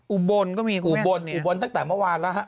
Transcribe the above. อุบลก็มีคุณอุบลอุบลตั้งแต่เมื่อวานแล้วฮะ